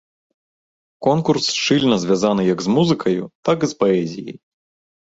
Конкурс шчыльна звязаны як з музыкаю, так і з паэзіяй.